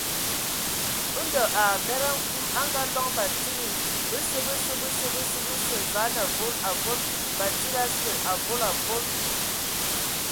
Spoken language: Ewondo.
Ndɔ a abed a nkul, a ngaaloŋ batsidi: bəsǝ, bəsǝ, bəsǝ, bəsǝ, bəsǝ, zaan avol, avol, batsidi asə, avol avol.